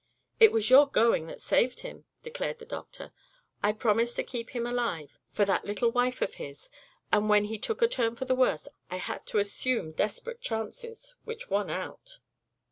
"It was your going that saved him," declared the doctor. "I promised to keep him alive, for that little wife of his, and when he took a turn for the worse I had to assume desperate chances which won out."